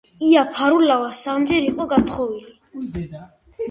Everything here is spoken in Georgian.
ია ფარულავა სამჯერ იყო გათხოვილი.